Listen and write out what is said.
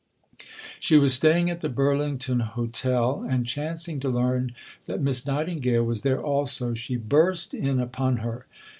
She was staying at the Burlington Hotel and, chancing to learn that Miss Nightingale was there also, she burst in upon her.